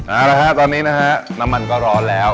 เอาละฮะตอนนี้นะฮะน้ำมันก็ร้อนแล้ว